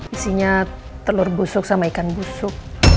isinya telur busuk sama ikan busuk